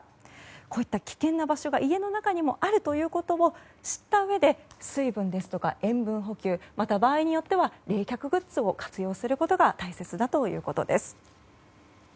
こういった危険な場所が家の中にもあるということを知ったうえで、水分や塩分補給場合によっては冷却グッズを活用することが大切だということです。